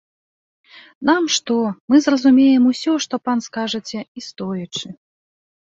Нам што, мы зразумеем усё, што пан скажаце, і стоячы.